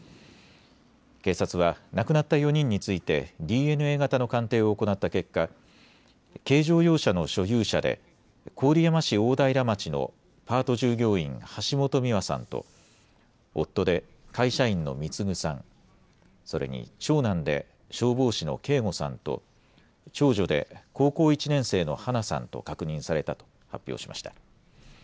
警察は亡くなった４人についてＤＮＡ型の鑑定を行った結果、軽乗用車の所有者で郡山市大平町のパート従業員、橋本美和さんと夫で会社員の貢さん、それに長男で消防士の啓吾さんと長女で高校１年生の華奈さんと確認されたと発表しました。